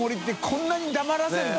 こんなに黙らせるの？